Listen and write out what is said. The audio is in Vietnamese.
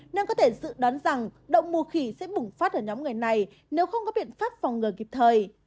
nên có thể dự đoán rằng đậu mùa khỉ sẽ bùng phát ở nhóm người này nếu không có biện pháp phòng ngừa kịp thời